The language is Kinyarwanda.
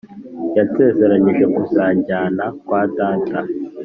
yansezeranije kuzanjyana kwa data